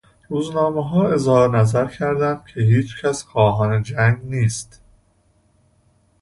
روزنامهها اظهار نظر کردند که هیچ کس خواهان جنگ نیست.